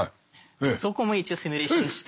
そこも一応シミュレーションして。